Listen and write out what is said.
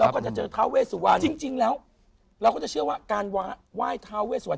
เราก็จะเจอทาวเวสุวรรณจริงจริงแล้วเราก็จะเชื่อว่าการว้ายทาวเวสุวรรณ